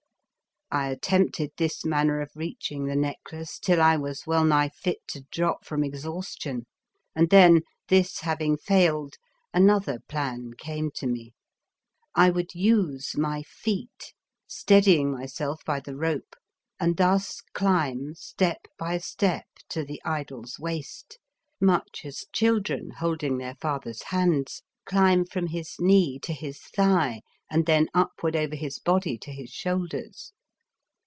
I attempted this manner of reaching the necklace till I was well nigh fit to drop from exhaustion, and then, this having failed, another plan came to me. I would use my feet, steadying myself by the rope and thus climb, step by step, to the idol's waist, much as children, holding their father's 118 The Fearsome Island hands, climb from his knee to his thigh and then upward over his body to his shoulders.